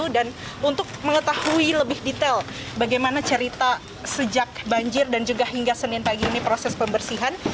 dan untuk mengetahui lebih detail bagaimana cerita sejak banjir dan juga hingga senin pagi ini proses pembersihan